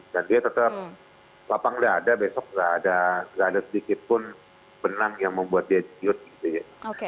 dan dia tetap lapang dada besok nggak ada sedikitpun benang yang membuat dia cius gitu ya